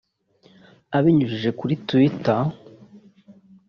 abinyujije kuri Twitter